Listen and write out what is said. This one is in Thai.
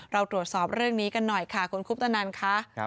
เราตรวจสอบเรื่องนี้กันหน่อยค่ะคุณคุปตนันค่ะ